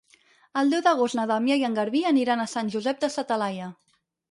El deu d'agost na Damià i en Garbí aniran a Sant Josep de sa Talaia.